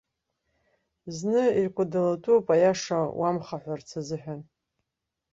Зны иркәадалатәуп, аиаша уамхаҳәарц азыҳәан.